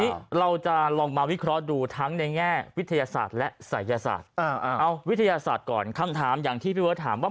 วันนี้เราจะลองมาวิเคราะห์ดูทั้งในแง่วิทยาศาสตร์และศัยศาสตร์เอาวิทยาศาสตร์ก่อนคำถามอย่างที่พี่เบิร์ตถามว่า